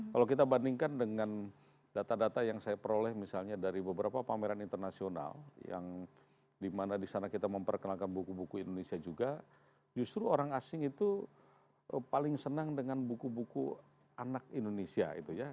kalau kita bandingkan dengan data data yang saya peroleh misalnya dari beberapa pameran internasional yang dimana di sana kita memperkenalkan buku buku indonesia juga justru orang asing itu paling senang dengan buku buku anak indonesia